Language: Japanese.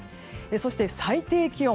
そして最低気温。